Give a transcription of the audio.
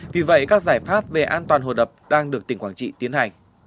vì vậy các giải pháp về an toàn hồ đập đang được tỉnh quảng trị tiến hành